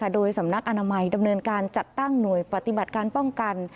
โดยสำนักอนามัยดำเนินการจัดตั้งหน่วยปฏิบัติการป้องกัน